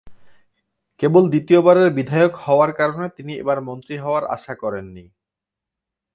কেবল দ্বিতীয়বারের বিধায়ক হওয়ার কারণে তিনি এবার মন্ত্রী হওয়ার আশা করেননি।